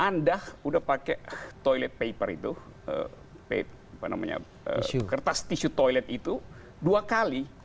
anda udah pakai toilet paper itu kertas tisu toilet itu dua kali